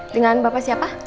dengan bapak siapa